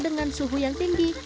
dengan suhu yang tinggi